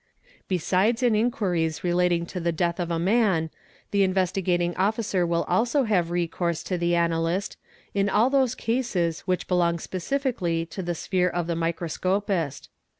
Besides in _ inquiries relating to the death of a man the Investigating Officer will also _ have recourse to the analyst in all those cases which belong specifically to _ the sphere of the microscopist.